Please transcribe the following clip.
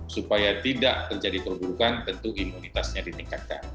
supaya tidak terjadi perburukan tentu imunitasnya ditingkatkan